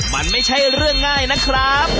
มันไม่ใช่เรื่องง่ายนะครับ